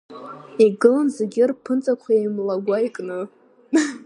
Игылан зегьы рԥынҵақәа еимлагәа икны…